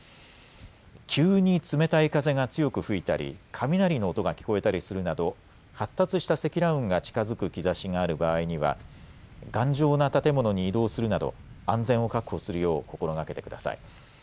急に冷たい風が強く吹いたり雷の音が聞こえたりするなど発達した積乱雲が近づく兆しがある場合には頑丈な建物に移動するなど安全を確保するよう心がけてください。